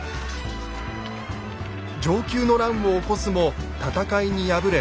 承久の乱を起こすも戦いに敗れ